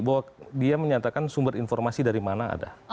bahwa dia menyatakan sumber informasi dari mana ada